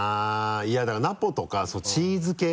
いやだからナポとかチーズ系？